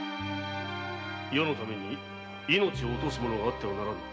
余のため命を落とす者があってはならぬ。